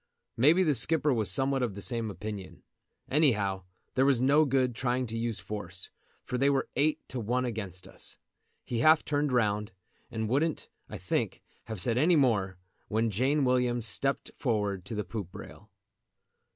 Maybe the skipper was somewhat of the same opinion. Anyhow there was no good trying to use force, for they were eight to one against us. He half turned round, and wouldn't, I think, have said any more, when Jane Williams stepped forward to the poop rail.